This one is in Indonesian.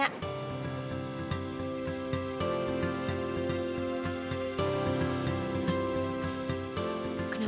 aku mau ntar ntar